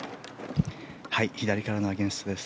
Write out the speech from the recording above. はい左からのアゲンストです。